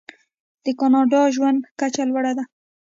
د کاناډا ژوند کچه لوړه ده.